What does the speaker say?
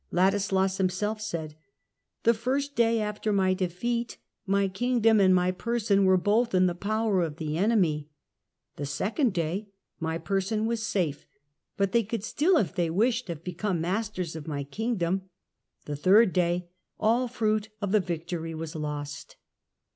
Ladislas himself said :" The first day after my defeat, my Kingdom and my person were both in the power of the enemy ; the second day my person was safe, but they could still if they wished have become masters of my Kingdom ; the third day all fruit of the victory was lost".